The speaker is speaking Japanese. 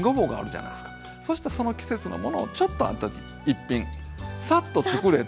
そしてその季節のものをちょっとある時一品さっとつくれて。